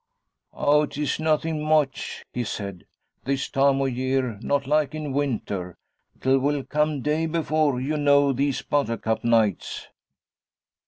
'Aw, 't es nothin' much,' he said, 'this time o' year; not like in winter. 'T will come day before yu know, these buttercup nights.'